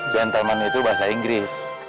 gentleman itu bahasa inggris